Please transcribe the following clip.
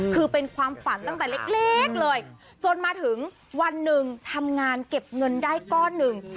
คือเป็นความฝันตั้งแต่เล็กเลยจนมาถึงวันหนึ่งทำงานเก็บเงินได้ก้อนหนึ่ง